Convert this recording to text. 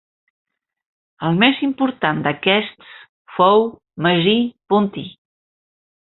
El més important d'aquests fou Magí Pontí.